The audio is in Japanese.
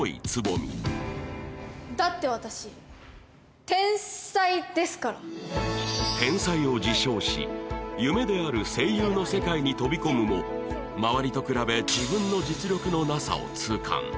未だって私天才ですから天才を自称し夢である声優の世界に飛び込むも周りと比べ自分の実力のなさを痛感